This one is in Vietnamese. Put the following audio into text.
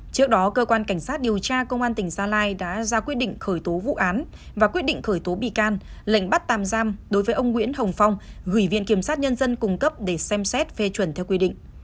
trước đó cơ quan cảnh sát điều tra công an tỉnh gia lai đã ra quyết định khởi tố vụ án và quyết định khởi tố bị can lệnh bắt tạm giam đối với ông nguyễn hồng phong gửi viện kiểm sát nhân dân cung cấp để xem xét phê chuẩn theo quy định